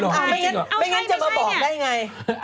ไม่งั้นจะมาบอกได้ไง